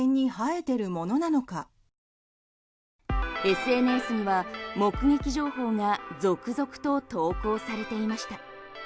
ＳＮＳには目撃情報が続々と投稿されていました。